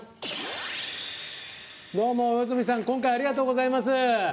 どうも、魚住さん今回ありがとうございます。